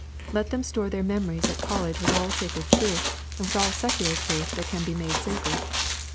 Let them store their memories at college with all sacred truth, and with all secular truth that can be made sacred.